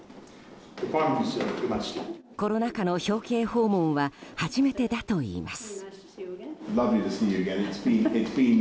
コロナ禍の表敬訪問は初めてだといいます。